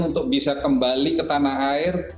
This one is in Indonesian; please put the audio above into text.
untuk bisa kembali ke tanah air